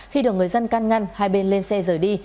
khi được người dân can ngăn hai bên lên xe rời đi